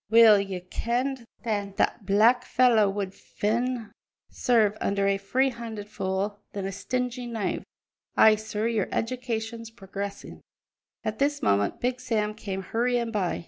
Weel ye kenned that that black fellow would fain serve under a free handed fool than a stingy knave. Ay, sir, your education's progressin'!" At this moment Big Sam came hurrying by.